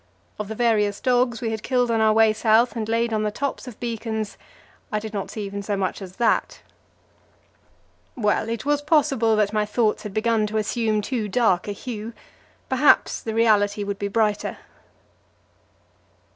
Of the various dogs we had killed on our way south and laid on the tops of beacons I did not see even so much as that. Well, it was possible that my thoughts had begun to assume too dark a hue; perhaps the reality would be brighter.